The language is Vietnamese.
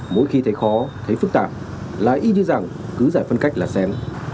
mỗi khi thấy khó thấy phức tạp là ý như rằng cứ giải phân cách là xén